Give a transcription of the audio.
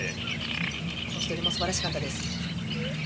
コースどりもすばらしかったです。